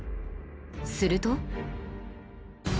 すると。